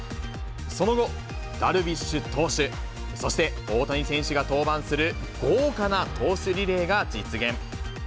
その後、ダルビッシュ投手、そして大谷選手が登板する豪華な投手リレーが実現。